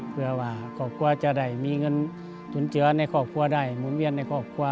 เผื่อว่าครอบครัวจะได้มีเงินจุ้นเจอในครอบครัวได้